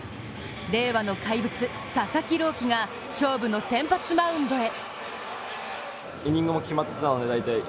令和の怪物、佐々木朗希が勝負の先発マウンドへ。